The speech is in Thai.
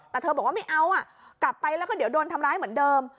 แต่เธอบอกว่าไม่เอากลับไปแล้วก็เดี๋ยวโดนทำร้ายเหมือนเดิม